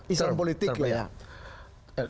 islam politik ya